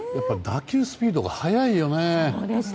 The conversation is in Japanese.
打球スピードが速いよね。